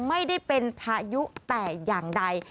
ไม่ได้เป็นพายุแต่อย่างใด